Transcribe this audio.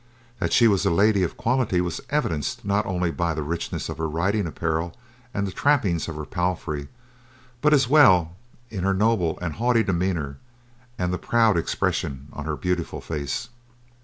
That she was a lady of quality was evidenced not alone by the richness of her riding apparel and the trappings of her palfrey, but as well in her noble and haughty demeanor and the proud expression of her beautiful face.